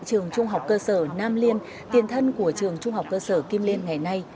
trường trung học cơ sở nam liên tiền thân của trường trung học cơ sở kim liên ngày nay